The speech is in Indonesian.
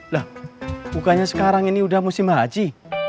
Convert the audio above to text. loh bukannya sekarang ini udah musim haji